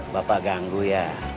bapak ganggu ya